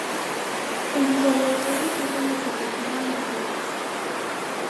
En sus alrededores es donde se cultivan las fincas.